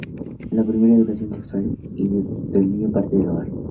La primera educación de la sexualidad y socialización del niño parte del hogar.